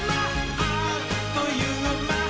あっというまっ！」